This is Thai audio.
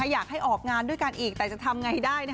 อยากให้ออกงานด้วยกันอีกแต่จะทำไงได้